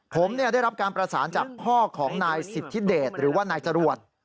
ผมได้รับการประสานจากพ่อของนายสิทธิเดชหรือว่านายจรวด